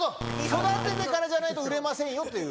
育ててからじゃないと売れませんよという。